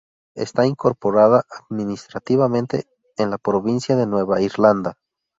Está incorporada administrativamente en la provincia de Nueva Irlanda.